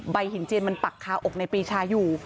หินเจียนมันปักคาอกในปรีชาอยู่